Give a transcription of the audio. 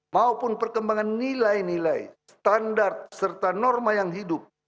maupun perkembangan nilai nilai standar serta norma yang hidup